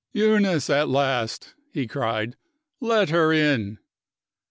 "Eunice, at last!" he cried. "Let her in."